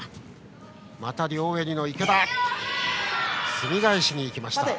すみ返しに行きました。